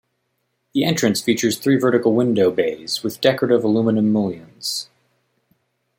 The entrance features three vertical window bays with decorative aluminum mullions.